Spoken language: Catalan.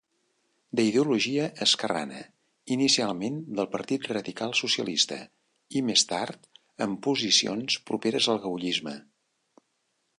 D'ideologia esquerrana, inicialment del Partit Radical-Socialista, i més tard amb posicions properes al gaullisme.